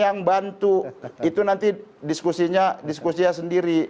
nanti diskusinya sendiri